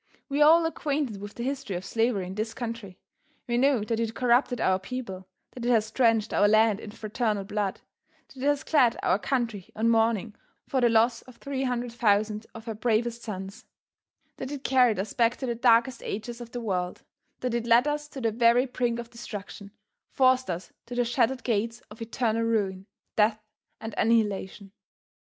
We are all acquainted with the history of slavery in this country. We know that it corrupted our people, that it has drenched our land in fraternal blood, that it has clad our country in mourning for the loss of 300,000 of her bravest sons; that it carried us back to the darkest ages of the world, that it led us to the very brink of destruction, forced us to the shattered gates of eternal ruin, death and annihilation.